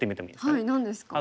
はい何ですか？